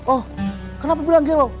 oh kenapa bilang gelo